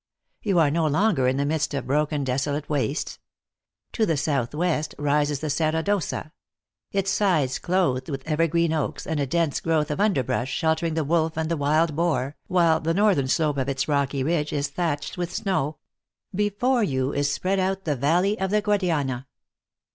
You are no longer in the midst of broken, desolate wastes. To the south west rises the Serra d Ossa its sides clothed with evergreen oaks, and a dense growth of underbrush sheltering the wolf and the wild boar, while the northern slope of its rocky ridge is thatched with snow. Before you is spread out the valley of the Guadiana.